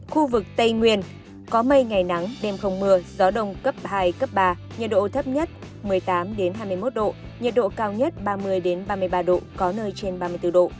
khu vực tây nguyên có mây ngày nắng đêm không mưa gió đông cấp hai cấp ba nhiệt độ thấp nhất một mươi tám hai mươi một độ nhiệt độ cao nhất ba mươi ba mươi ba độ có nơi trên ba mươi bốn độ